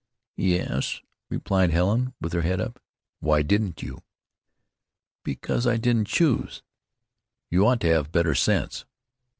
"Yes," replied Helen, with her head up. "Why didn't you?" "Because I didn't choose." "You ought to have better sense."